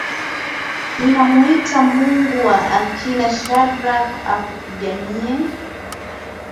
Ninamwita Mungu wa akina Shadrack akupiganie.